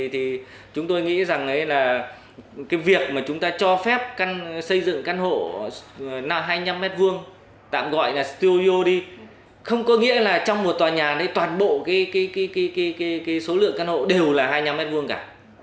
thì chúng tôi nghĩ rằng cái việc mà chúng ta cho phép xây dựng căn hộ hai mươi năm m hai tạm gọi là studio đi không có nghĩa là trong một tòa nhà đấy toàn bộ cái số lượng căn hộ đều là hai mươi năm m hai cả